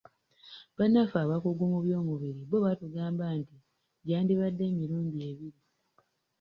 Bannaffe abakugu mu by'omubiri bo batugamba nti gyandibadde emirundi ebiri.